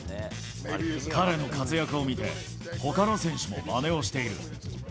彼の活躍を見て、ほかの選手もまねをしている。